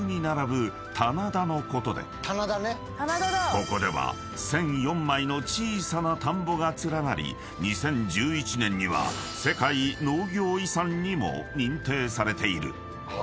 ［ここでは１，００４枚の小さな田んぼが連なり２０１１年には世界農業遺産にも認定されている］